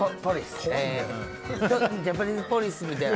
ジャパニーズポリスみたいな。